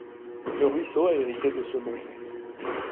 Le ruisseau a hérité de ce nom.